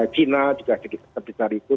china juga sebesar itu